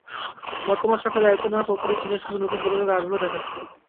বর্তমান সরকার দায়িত্ব নেওয়ার পরপরই চীনের সঙ্গে নতুন যোগাযোগের আগ্রহ দেখাচ্ছে।